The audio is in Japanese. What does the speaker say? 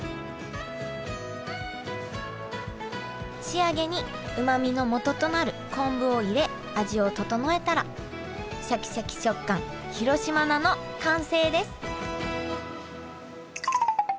仕上げにうまみのもととなる昆布を入れ味を調えたらシャキシャキ食感広島菜の完成です